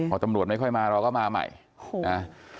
พอตำรวจไม่ค่อยมาเราก็มาใหม่นะ